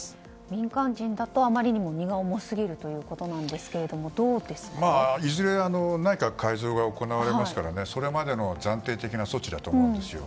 民間人だとあまりにも荷が重すぎるいずれ、内閣改造が行われますからそれまでの暫定的な措置だと思うんです。